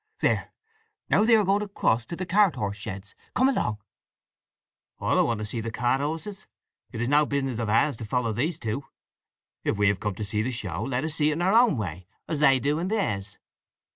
There—now they are going across to the cart horse sheds. Come along." "I don't want to see the cart horses. It is no business of ours to follow these two. If we have come to see the show let us see it in our own way, as they do in theirs."